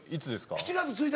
７月１日。